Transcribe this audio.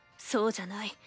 そうじゃない。